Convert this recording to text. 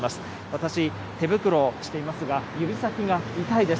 私、手袋していますが、指先が痛いです。